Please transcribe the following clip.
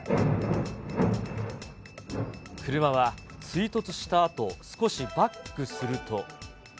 車は追突したあと、少しバックすると。